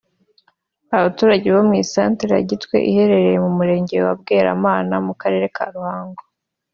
Abaturage bo mu isantire ya Gitwe ihereyere mu murenge wa Bweramana mu karere ka Ruhango